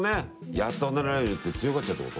「やっと離れられる」って強がっちゃうってこと？